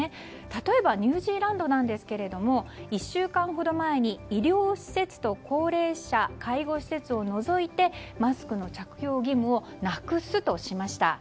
例えば、ニュージーランドですが１週間ほど前に医療施設と高齢者介護施設を除いてマスクの着用義務をなくすとしました。